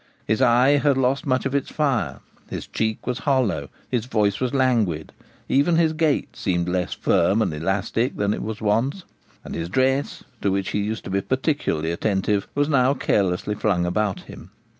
His eye had lost much of its fire; his cheek was hollow, his voice was languid, even his gait seemed less firm and elastic than it was wont; and his dress, to which he used to be particularly attentive, was now carelessly flung about him.